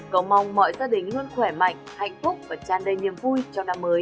cầu mong mọi gia đình luôn khỏe mạnh hạnh phúc và tràn đầy niềm vui cho năm mới